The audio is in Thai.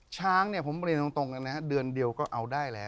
ช้างเนี่ยผมเรียนตรงกันนะฮะเดือนเดียวก็เอาได้แล้ว